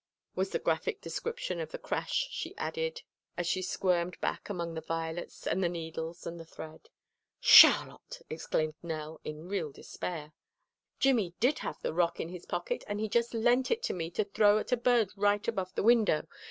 was the graphic description of the crash she added as she squirmed back among the violets and the needles and the thread. "Charlotte!" exclaimed Nell, in real despair. "Jimmy did have the rock in his pocket, and he just lent it to me to throw at a bird right above the window.